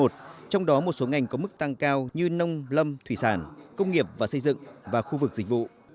trong đó một số ngành có mức tăng cao như nông lâm thủy sản công nghiệp và xây dựng và khu vực dịch vụ